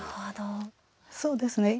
そうですね。